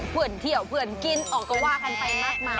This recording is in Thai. เพื่อนเที่ยวเพื่อนกินออกก็ว่ากันไปมากมาย